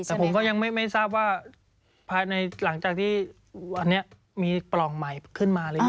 แต่ผมก็ยังไม่ทราบว่าภายในหลังจากที่วันนี้มีปล่องใหม่ขึ้นมาหรือยัง